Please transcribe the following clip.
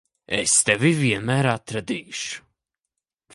Es tevi vienmēr atradīšu.